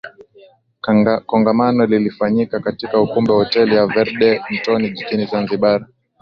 Kongamano lilifanyika katika ukumbi wa Hoteli ya Verde Mtoni Jijini Zanzibar